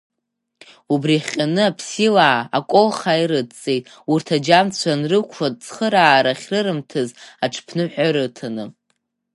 Убри иахҟьаны аԥсилаа аколхаа ирыдҵит, урҭ аџьамцәа анрықәла ацхыраара ахьрырымҭаз аҽыԥныҳәа рыҭаны.